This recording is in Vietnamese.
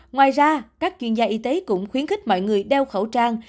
ngoài ra các chuyên gia y tế cũng khuyến khích mọi người đeo khẩu trang